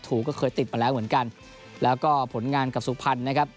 ก็เคยติดมาแล้วเหมือนกันแล้วก็ผลงานกับสุพรรณนะครับ